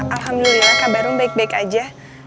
alhamdulillah kabar rum baik baik aja